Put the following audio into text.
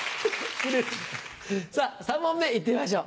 さぁ３問目行ってみましょう。